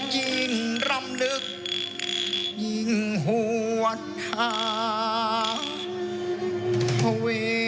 ยิ่งรำลึกยิ่งหัวท้า